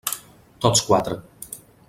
Tots quatre.